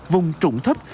vùng trụng thấp